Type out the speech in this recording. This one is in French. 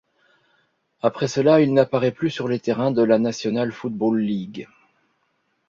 Après cela, il n'apparait plus sur les terrains de la National Football League.